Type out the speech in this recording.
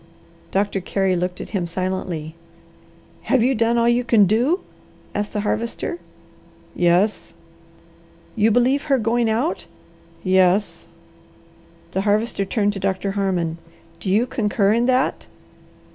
Doctor Carey looked at him silently. "Have you done all you can do?" asked the Harvester. "Yes." "You believe her going out?" "Yes." The Harvester turned to Doctor Harmon. "Do you concur in that?"